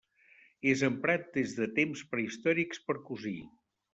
És emprat des de temps prehistòrics per cosir.